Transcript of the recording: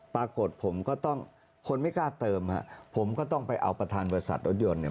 ปรากฏผมก็ต้องคนไม่กล้าเติมฮะผมก็ต้องไปเอาประธานบริษัทรถยนต์เนี่ย